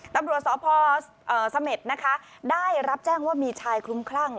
ตับรัวสอพอร์เอ่อสะเม็ดนะคะได้รับแจ้งว่ามีชายคลุ้มคลั่ง